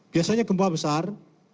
biasanya gempa besar